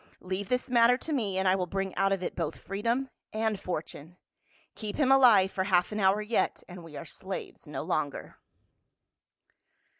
Leave this matter to me and I will bring out of it both freedom and fortune. Keep him alive for half an hour yet, and we are slaves no longer."